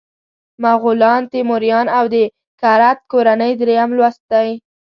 مغولان، تیموریان او د کرت کورنۍ دریم لوست دی.